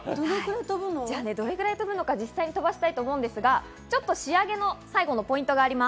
どれくらい飛ぶのか実際やってみたいと思うんですが、仕上げの最後のポイントがあります。